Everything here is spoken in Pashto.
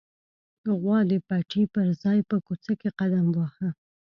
غوا د پټي پر ځای په کوڅه کې قدم واهه.